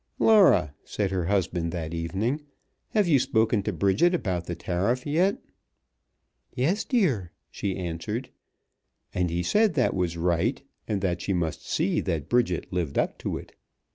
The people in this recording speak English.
"Laura," said her husband that evening, "have you spoken to Bridget about the tariff yet?" "Yes, dear," she answered, and he said that was right, and that she must see that Bridget lived up to it.